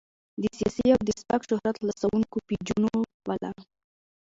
د سياسي او د سپک شهرت حاصلونکو پېجونو والا